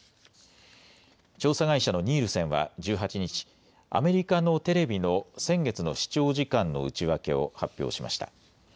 調査会社のニールセンは１８日、アメリカのテレビの先月の視聴時間の内訳を発表しました。